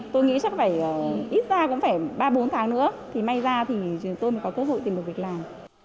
tôi nghĩ chắc phải ít ra cũng phải ba bốn tháng nữa thì may ra thì tôi mới có cơ hội tìm được việc làm